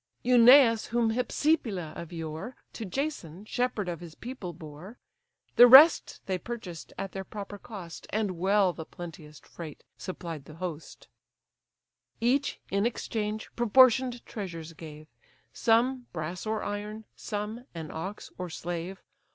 (Eunaeus, whom Hypsipyle of yore To Jason, shepherd of his people, bore,) The rest they purchased at their proper cost, And well the plenteous freight supplied the host: Each, in exchange, proportion'd treasures gave; Some, brass or iron; some, an ox, or slave.